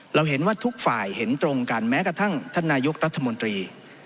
เราเห็นว่าทุกฝ่ายเห็นตรงกันแม้กระทั่งท่านนายกรัฐมนตรี